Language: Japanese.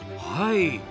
はい。